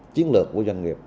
chiến lược của doanh nghiệp